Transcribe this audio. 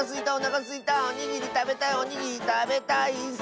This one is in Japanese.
おにぎりたべたいおにぎりたべたいッス！